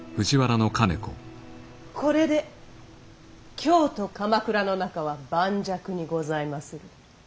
これで京と鎌倉の仲は盤石にございまする。